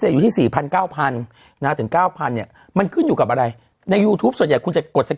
อยู่ที่สี่พันเก้าพันนะถึงเก้าพันเนี่ยมันขึ้นอยู่กับอะไรในยูทูปส่วนใหญ่คุณจะกดเสร็จ